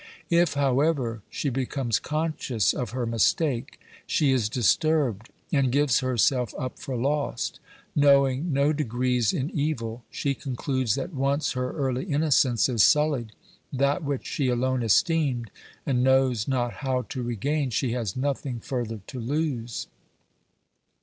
If, however, she becomes conscious of her mistake, she is disturbed and gives herself up for lost ; knowing no degrees in evil, she concludes that once her early innocence is sullied, that which she alone esteemed and knows not how to re gain, she has nothing further to lose.